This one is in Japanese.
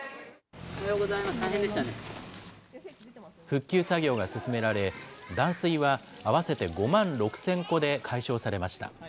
復旧作業は進められ、断水は合わせて５万６０００戸で解消されました。